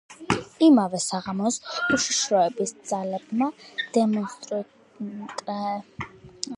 იმავე საღამოს უშიშროების ძალებმა დემონსტრანტების წინააღმდეგ გამოიყენა იარაღი, რამაც შეიწირა ასობით მშვიდობიანი მოქალაქე.